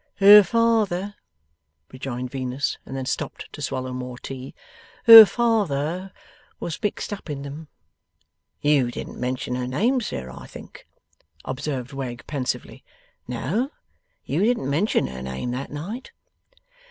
'Her father,' rejoined Venus, and then stopped to swallow more tea, 'her father was mixed up in them.' 'You didn't mention her name, sir, I think?' observed Wegg, pensively. 'No, you didn't mention her name that night.